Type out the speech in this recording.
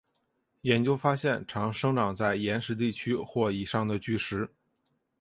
研究发现常生长在岩石地区或以上的巨石。